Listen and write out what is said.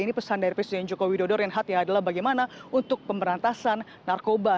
ini pesan dari presiden joko widodo reinhardt ya adalah bagaimana untuk pemberantasan narkoba